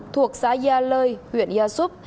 thuộc xã gia lơi huyện gia súp